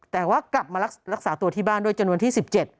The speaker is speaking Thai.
แต่ว่ากลับมารักษาตัวที่บ้านด้วยจนวันที่๑๗